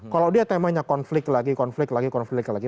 kalau dia temanya konflik lagi konflik lagi